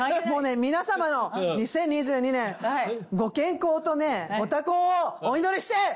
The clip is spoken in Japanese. もうね皆さまの２０２２年ご健康とねご多幸をお祈りして。